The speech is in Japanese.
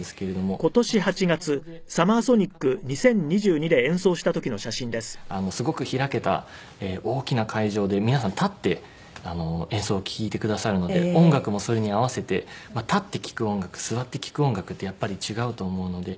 場所が場所で聴いてる方も皆様お酒飲んだりもしてますしすごく開けた大きな会場で皆さん立って演奏を聴いてくださるので音楽もそれに合わせて立って聴く音楽座って聴く音楽ってやっぱり違うと思うので。